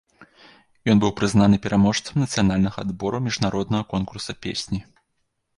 Ён быў прызнаны пераможцам нацыянальнага адбору міжнароднага конкурса песні.